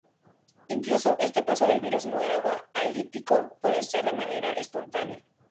Incluso, este paso de virus moderado a lítico puede ser de manera espontánea.